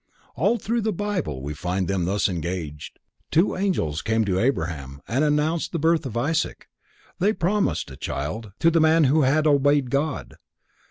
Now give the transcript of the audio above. All through the Bible we find them thus engaged: Two angels came to Abraham and announced the birth of Isaac, they promised a child to the man who had obeyed God.